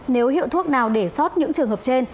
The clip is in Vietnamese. nếu hiệu thuốc nào để sót những trường hợp trên